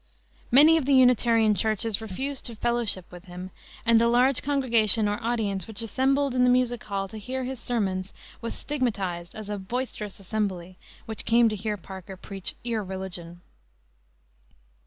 Many of the Unitarian churches refused to "fellowship" with him; and the large congregation, or audience, which assembled in Music Hall to hear his sermons was stigmatized as a "boisterous assembly" which came to hear Parker preach irreligion.